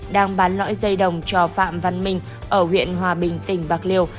đang bán lõi dây đồng cho phạm văn minh ở huyện hòa bình tỉnh bạc liêu